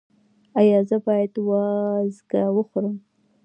ایا زه باید وازګه وخورم؟